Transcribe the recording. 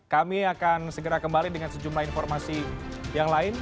kami akan segera kembali dengan sejumlah informasi yang lain